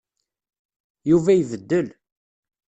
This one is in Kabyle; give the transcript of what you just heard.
Yuba ibeddel.